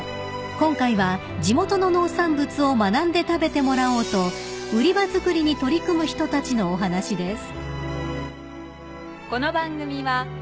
［今回は地元の農産物を学んで食べてもらおうと売り場づくりに取り組む人たちのお話です］